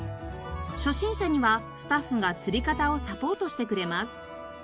初心者にはスタッフが釣り方をサポートしてくれます。